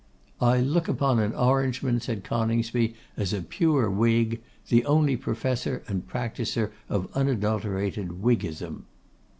'I look upon an Orangeman,' said Coningsby, 'as a pure Whig; the only professor and practiser of unadulterated Whiggism.